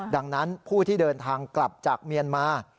ดังนั้นผู้ที่เดินทางกลับจากเมียนมา